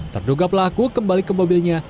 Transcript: terduga pelaku kembali ke mobilnya